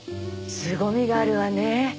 すごみがあるわね。